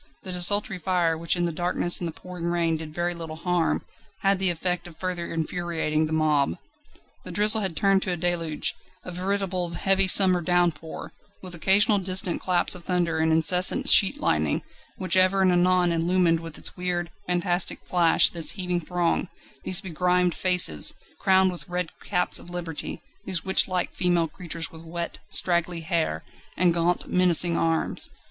The desultory fire, which in the darkness and the pouring rain did very little harm, had the effect of further infuriating the mob. The drizzle had turned to a deluge, a veritable heavy summer downpour, with occasional distant claps of thunder and incessant sheet lightning, which ever and anon illumined with its weird, fantastic flash this heaving throng, these begrimed faces, crowned with red caps of Liberty, these witchlike female creatures with wet, straggly hair and gaunt, menacing arms.